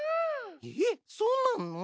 えっそうなの？